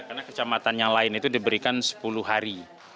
karena kecamatan yang lain itu diberikan sepuluh hari